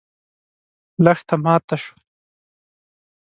لښته ماته شوه.